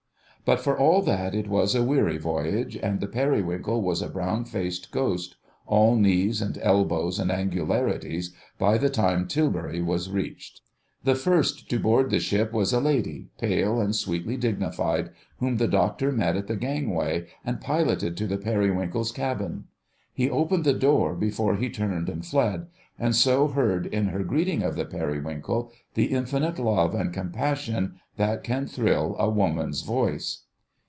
But for all that it was a weary voyage, and the Periwinkle was a brown faced ghost, all knees and elbows and angularities by the time Tilbury was reached. The first to board the ship was a lady, pale and sweetly dignified, whom the doctor met at the gangway and piloted to the Periwinkle's cabin. He opened the door before he turned and fled, and so heard, in her greeting of the Periwinkle, the infinite love and compassion that can thrill a woman's voice.